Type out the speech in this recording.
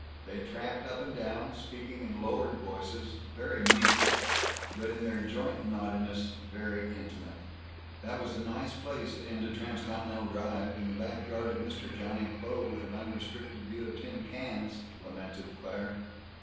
They tramped up and down, speaking in lowered voices, very meek but in their joint naughtiness very intimate. "That was a nice place to end a transcontinental drive in the back yard of Mr. Johnny Kloh, with an unrestricted view of tin cans!" lamented Claire.